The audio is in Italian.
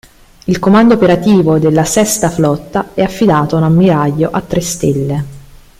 Il comando operativo della Sesta Flotta è affidato a un Ammiraglio a tre stelle.